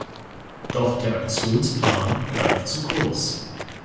Doch der Aktionsplan greift zu kurz.